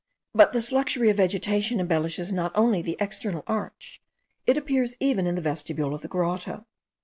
But this luxury of vegetation embellishes not only the external arch, it appears even in the vestibule of the grotto.